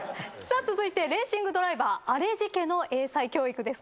さあ続いてレーシングドライバーアレジ家の英才教育です。